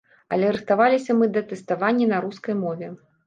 Але рыхтаваліся мы да тэставання на рускай мове.